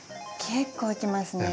結構いきますね。